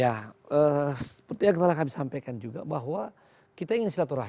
ya seperti yang telah kami sampaikan juga bahwa kita ingin silaturahmi